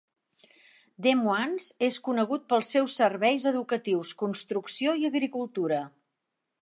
Des Moines és conegut pels seus serveis educatius, construcció i agricultura.